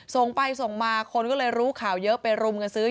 ส่งไปส่งมาคนก็เลยรู้ข่าวเยอะไปรุมกันซื้อ